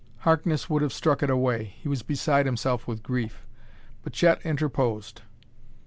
Harkness would have struck it away; he was beside himself with grief. But Chet interposed.